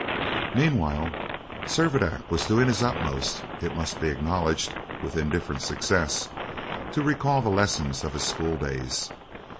Meanwhile, Servadac was doing his utmost it must be acknowledged, with indifferent success to recall the lessons of his school days.